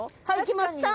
はいいきます！